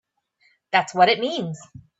That's what it means!